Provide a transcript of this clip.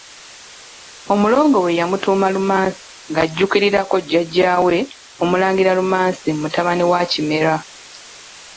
Omulongo we yamutuuma Lumansi ng'ajjuukirirako jjajjaawe Omulangira Lumansi mutabani wa Kimera.